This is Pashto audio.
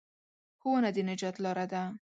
ښوونه د نجات لاره ده.